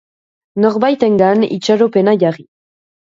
Norbaitengan itxaropena jarri.